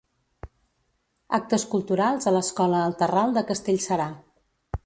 Actes culturals a l'escola El Terral de Castellserà.